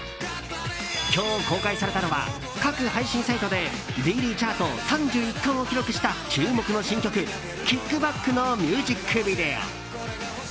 今日公開されたのは各配信サイトでデイリーチャート３１冠を記録した注目の新曲「ＫＩＣＫＢＡＣＫ」のミュージックビデオ。